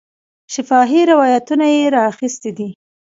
شفاهي روایتونه یې را اخیستي دي.